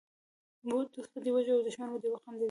دوست به دې وژړوي او دښمن به دي وخندوي!